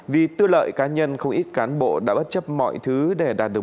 vì tư lợi cá nhân không ít cán bộ đã bất chấp mọi thứ để đạt được